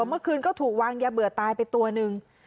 เมื่อคืนก็ถูกวางยาเบื่อตายไปตัวหนึ่ง